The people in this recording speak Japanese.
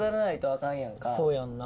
そうやんな。